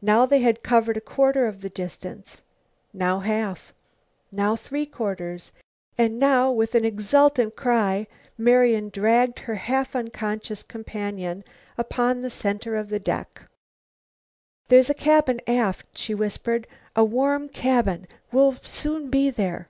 Now they had covered a quarter of the distance, now half, now three quarters. And now, with an exultant cry, Marian dragged her half unconscious companion upon the center of the deck. "There's a cabin aft," she whispered, "a warm cabin. We'll soon be there."